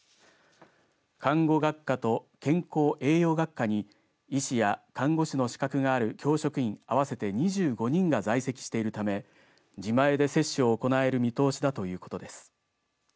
看護学科と健康栄養学科に医師や看護師の資格がある教職員合わせて２５人が在籍しているため自前で接種を行える見通しだということです。